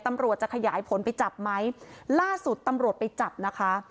ตำรวจจะขยายผลไปจับไหมล่าสุดตำรวจไปจับนะคะ